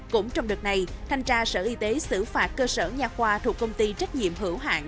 cũng trong đợt này thanh tra sở y tế xử phạt cơ sở nhà khoa thuộc công ty trách nhiệm hữu hạng